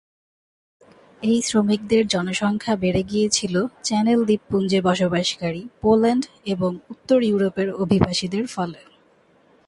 এই শ্রমিকদের জনসংখ্যা বেড়ে গিয়েছিল চ্যানেল দ্বীপপুঞ্জে বসবাসকারী পোল্যান্ড এবং উত্তর ইউরোপের অভিবাসীদের ফলে।